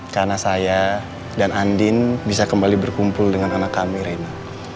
karena saya dan andin bisa kembali berkumpul dengan anak kami reina